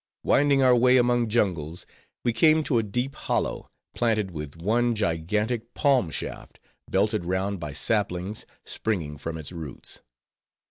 Winding our way among jungles, we came to a deep hollow, planted with one gigantic palm shaft, belted round by saplings, springing from its roots.